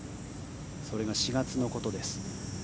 それが４月のことです。